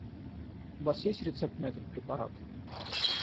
У вас есть рецепт на этот препарат?